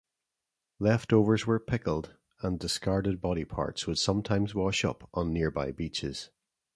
Leftovers were pickled, and discarded body parts would sometimes wash up on nearby beaches.